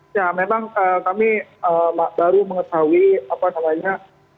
ya memang kami baru mengetahui apa namanya